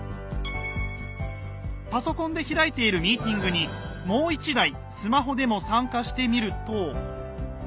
パソコンで開いているミーティングにもう１台スマホでも参加してみると。